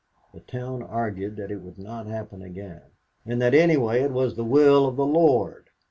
The town argued that it would not happen again, and that anyway it was the will of the Lord!